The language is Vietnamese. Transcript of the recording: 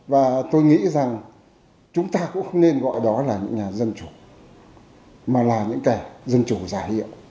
và tôi nghĩ rằng chúng ta cũng không nên gọi đó là những nhà dân chủ mà là những kẻ dân chủ giả hiệu